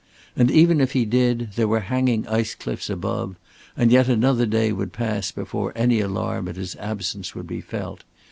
And even if he did, there were the hanging ice cliffs above, and yet another day would pass before any alarm at his absence would be felt.